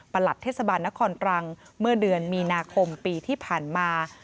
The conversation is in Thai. หลัดเทศบาลนครตรังเมื่อเดือนมีนาคมปีที่ผ่านมา